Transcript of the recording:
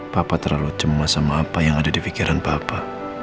papa terlalu cema sama apa yang ada di pikiran papa